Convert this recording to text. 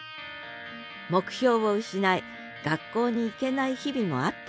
目標を失い学校に行けない日々もあったという萌晏さん。